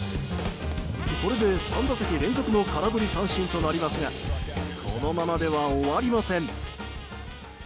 これで３打席連続の空振り三振となりますがこのままでは終わりません。